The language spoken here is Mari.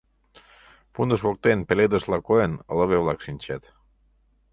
Пундыш воктен, пеледышла койын, лыве-влак шинчат.